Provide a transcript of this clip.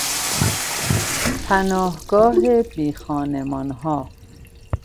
پناهگاه بیخانمانها